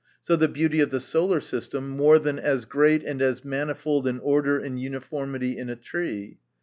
So, the beauty of the solar system, more than as great and as manifold an order and uniformity in a tree.